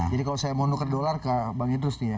jadi kalau saya mau nuker dollar ke bang idrus nih ya